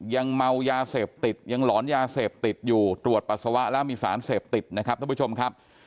ยังเมายาเสพติดยังหลอนยาเสพติดอยู่ตรวจปัสสาวะแล้วมีสารเสพติดนะครับท่านผู้ชมครับ